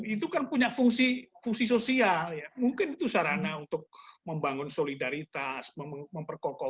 itu kan punya fungsi fungsi sosial mungkin itu sarana untuk membangun solidaritas memperkokoh